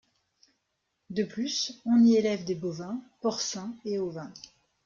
De plus, on y élève des bovins, porcins et ovins.